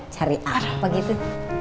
cari arh apa gitu